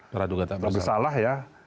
tidak ada salah ya